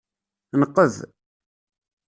Nqeb.